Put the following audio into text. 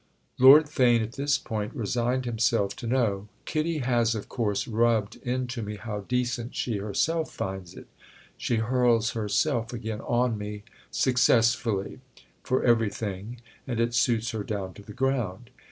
Lord Theign at this point resigned himself to know. "Kitty has of course rubbed into me how decent she herself finds it. She hurls herself again on me—successfully!—for everything, and it suits her down to the ground.